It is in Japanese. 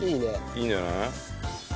いいんじゃない？